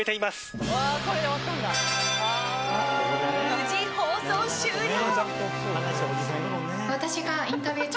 無事、放送終了！